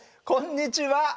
こんにちは。